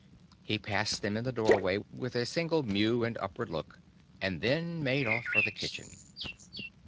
He passed them in the doorway with a single mew and upward look and then made off for the kitchen.